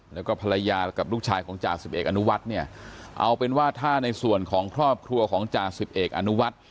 แล้วก็ภรรยากับลูกชายของจ่าสิบเอกอนุวัฒน์เนี่ยเอาเป็นว่าถ้าในส่วนของครอบครัวของจ่าสิบเอกอนุวัฒน์